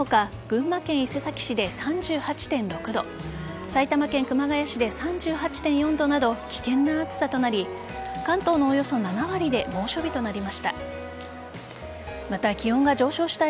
群馬県伊勢崎市で３８．６度埼玉県熊谷市で３８．４度など危険な暑さとなり関東のおよそ７割で猛暑日となりました。